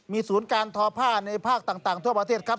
ศูนย์การทอผ้าในภาคต่างทั่วประเทศครับ